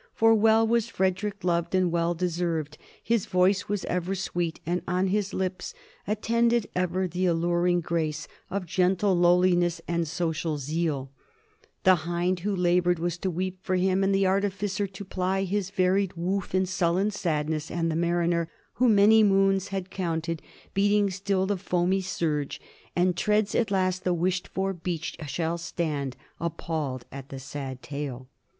For well was FredVick loved and well deservM, His voice was ever sweet, and on his lips Attended ever the alluring grace Of gentle lowliness and social zeal/' The hind who labored was to weep for him, and the artificer to ply his varied woof in sullen sadness, and the mariner, "Who many moons Has counted, beating still the foamy Surge, And treads at last the wisird for beach, shall stand Appaird at the sad tale."